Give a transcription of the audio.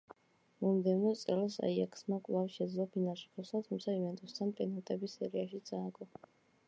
მომდევნო წელს „აიაქსმა“ კვლავ შეძლო ფინალში გასვლა, თუმცა „იუვენტუსთან“ პენალტების სერიაში წააგო.